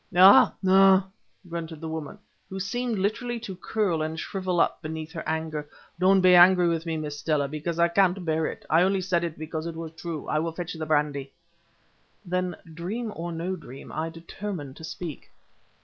"Ah! ah!" grunted the woman, who seemed literally to curl and shrivel up beneath her anger. "Don't be angry with me, Miss Stella, because I can't bear it. I only said it because it was true. I will fetch the brandy." Then, dream or no dream, I determined to speak.